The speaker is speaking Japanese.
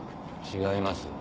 違います。